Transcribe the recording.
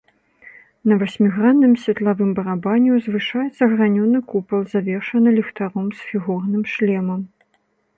На васьмігранным светлавым барабане ўзвышаецца гранёны купал, завершаны ліхтаром з фігурным шлемам.